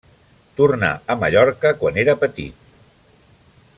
Tornà a Mallorca quan era petit.